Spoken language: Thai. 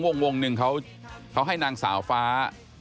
วงหนึ่งเขาให้นางสาวฟ้า